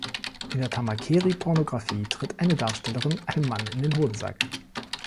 In der Tamakeri-Pornografie tritt eine Darstellerin einem Mann in den Hodensack.